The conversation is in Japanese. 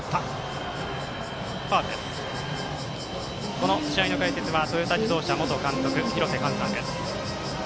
この試合の解説はトヨタ自動車元監督廣瀬寛さんです。